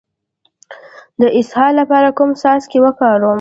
د اسهال لپاره کوم څاڅکي وکاروم؟